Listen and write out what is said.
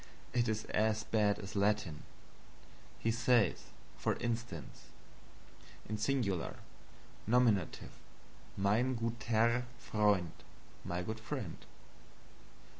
It is as bad as Latin. He says, for instance: SINGULAR Nominative Mein gutER Freund, my good friend.